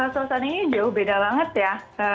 suasana ini jauh beda banget ya